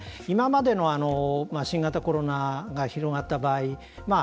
今までの新型コロナが広がった場合